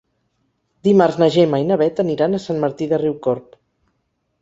Dimarts na Gemma i na Bet aniran a Sant Martí de Riucorb.